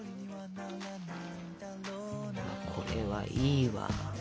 これはいいわ。